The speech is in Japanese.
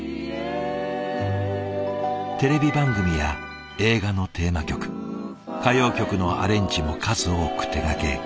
テレビ番組や映画のテーマ曲歌謡曲のアレンジも数多く手がけ